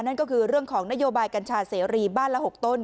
นั่นก็คือเรื่องของนโยบายกัญชาเสรีบ้านละ๖ต้น